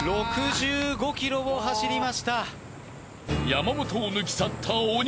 ［山本を抜き去った鬼］